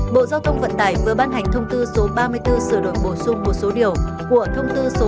bộ giao thông vận tải vừa ban hành thông tư số ba mươi bốn sửa đổi bổ sung một số điều của thông tư số một mươi bảy hai nghìn một mươi chín